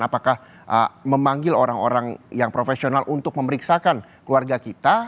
apakah memanggil orang orang yang profesional untuk memeriksakan keluarga kita